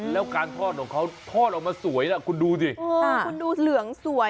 แล้วการทอดของเขาทอดออกมาสวยนะคุณดูสิคุณดูเหลืองสวย